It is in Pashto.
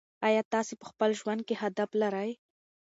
آیا تاسې په خپل ژوند کې هدف لرئ؟